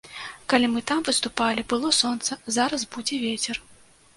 Калі мы там выступалі, было сонца, зараз будзе вецер.